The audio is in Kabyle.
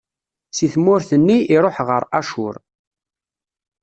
Si tmurt nni, iṛuḥ ɣer Acur.